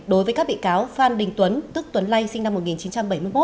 đối với các bị cáo phan đình tuấn tức tuấn lây sinh năm một nghìn chín trăm bảy mươi một